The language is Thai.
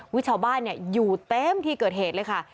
ชาวบ้านอยู่เต็มที่เกิดเหตุเลยค่ะ